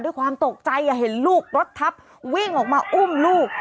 ด้วยความตกใจเห็นลูกรถทับวิ่งออกมาอุ้มลูก